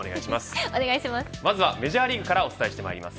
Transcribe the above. まずはメジャーリーグからお伝えしてまいります。